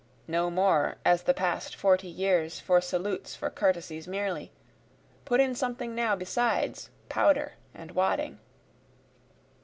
(no more as the past forty years for salutes for courtesies merely, Put in something now besides powder and wadding.)